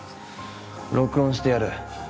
録音してやる。